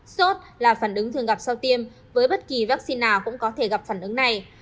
sốt là phản ứng thường gặp sau tiêm với bất kỳ vaccine nào cũng có thể gặp phản ứng này